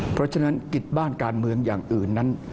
เพราะฉะนั้นกิจบ้านการเมืองอย่างอื่นนั้น